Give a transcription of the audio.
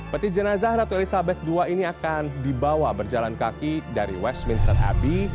peti jenazah ratu elizabeth ii ini akan dibawa berjalan kaki dari westminster abbey